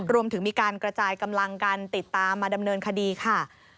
รวมถึงมีการกระจายกำลังกันติดตามมาดำเนินคดีค่ะ